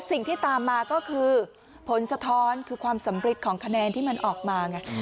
สิ่งที่ตามมาก็คือผลสะท้อนคือความสำเร็จของคะแนนที่มันออกมาไง